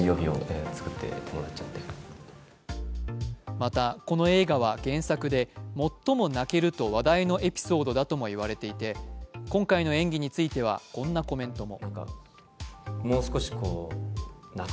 またこの映画は原作で最も泣けると話題のエピソードだともいわれていて今回の演技については、こんなコメントも。